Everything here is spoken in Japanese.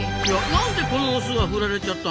なんでこのオスは振られちゃったの？